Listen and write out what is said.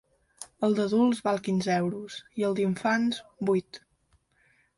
El d’adults val quinze euros i el d’infants, vuit.